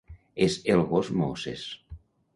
És el gos Moses.